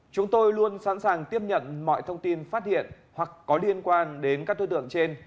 chúng tôi luôn sẵn sàng tiếp nhận mọi thông tin phát hiện hoặc có liên quan đến các đối tượng trên